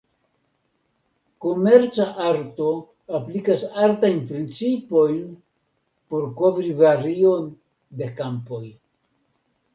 Komerca arto aplikas artajn principojn por kovri varion de kampoj.